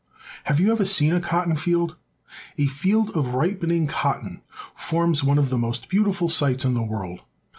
Have you ever seen a cotton field ? A field of ripening cotton forms one of the most beau tiful sights in the world.